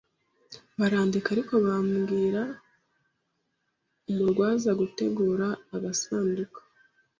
barandeka ariko babwira umurwaza gutegura agasanduka